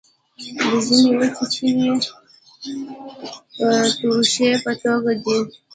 د ژمي وچې میوې د توشې په توګه دي.